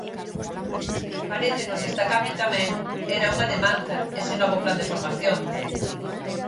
Parécenos destacable tamén, era unha demanda, ese novo plan de formación.